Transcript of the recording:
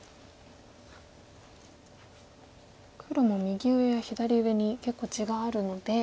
黒も右上や左上に結構地があるので。